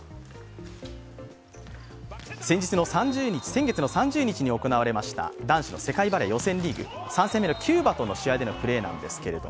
先月の３０日に行われました男子の世界バレー予選リーグ３戦目のキューバとの試合でのプレーです。